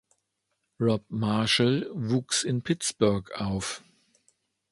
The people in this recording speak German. Rob Marshall wuchs in Pittsburgh auf.